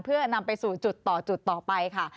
เพื่อนำไปสู่จุดต่อจุดต่อไปค่ะ